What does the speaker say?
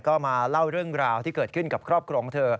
ก็มาเล่าเรื่องราวที่เกิดขึ้นกับครอบครัวของเธอ